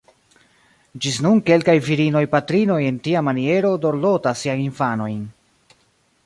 Ĝis nun kelkaj virinoj-patrinoj en tia maniero dorlotas siajn infanojn.